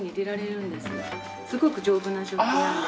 すごく丈夫な食器なので。